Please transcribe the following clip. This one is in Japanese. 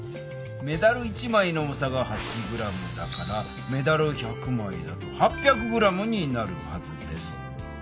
メダル１枚の重さが８ｇだからメダル１００枚だと８００ｇになるはずです。